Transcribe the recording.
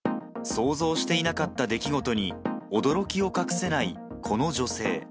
想像していなかった出来事に、驚きを隠せないこの女性。